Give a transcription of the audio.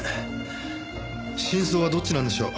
真相はどっちなんでしょう？